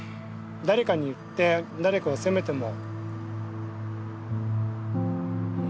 誰かに言って誰かを責めても。